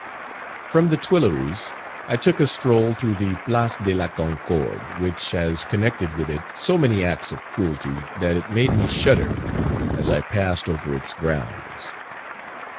From the Tuileries, I took a stroll through the Place de la Concorde, which has connected with it so many acts of cruelty, that it made me shudder as I passed over its grounds.